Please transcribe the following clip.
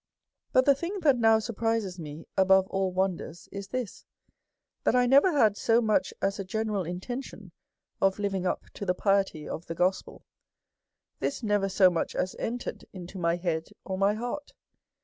" But the thing that now surprises me above all wonders is this — that 1 never had so much as a gene ral intention of living up to the piety of the gospel. This never so much as entered into my head or my heart.